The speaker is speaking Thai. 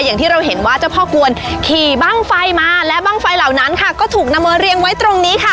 อย่างที่เราเห็นว่าเจ้าพ่อกวนขี่บ้างไฟมาและบ้างไฟเหล่านั้นค่ะก็ถูกนำมาเรียงไว้ตรงนี้ค่ะ